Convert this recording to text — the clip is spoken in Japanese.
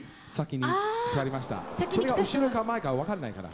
それが後ろか前か分かんないから。